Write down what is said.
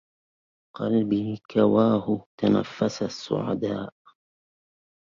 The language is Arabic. قلبي كواه تنفس الصعدا